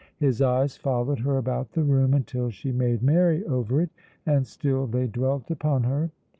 His eyes followed her about the room until she made merry over it, and still they dwelt upon her.